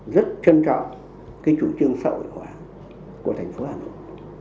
rất trân trọng cái chủ trương xã hội hóa của thành phố hà nội